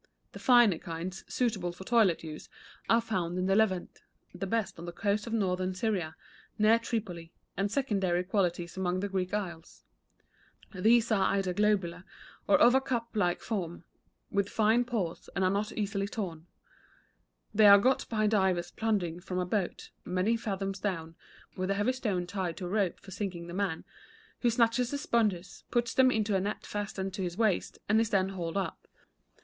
The finer kinds, suitable for toilet use, are found in the Levant; the best on the coast of Northern Syria, near Tripoli, and secondary qualities among the Greek isles. These are either globular or of a cup like form, with fine pores, and are not easily torn. They are got by divers plunging from a boat, many fathoms down, with a heavy stone tied to a rope for sinking the man, who snatches the sponges, puts them into a net fastened to his waist, and is then hauled up.